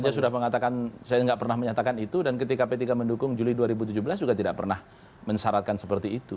dia sudah mengatakan saya nggak pernah menyatakan itu dan ketika p tiga mendukung juli dua ribu tujuh belas juga tidak pernah mensyaratkan seperti itu